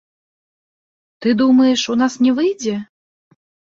Ты думаеш, у нас не выйдзе?